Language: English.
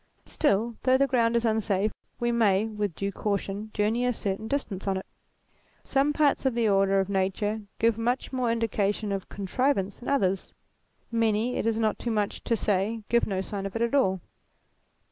Still, though the ground is unsafe we may, with due caution, journey a certain distance on it. Some parts of the order of nature give much more indication of con trivance than others; many, it is not too much to say, give no sign of it at all.